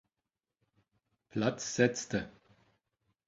Platz setzte.